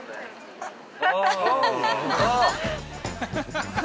ハハハハ！